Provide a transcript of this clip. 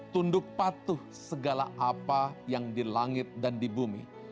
tunduk patuh segala apa yang di langit dan di bumi